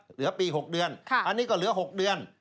เหลือปี๖เดือนอันนี้ก็เหลือ๖เดือน